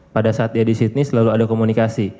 pada saat dia di sydney selalu ada komunikasi